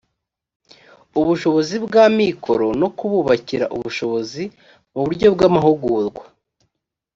ubushobozi bw amikoro no kububakira ubushobozi mu buryo bw amahugurwa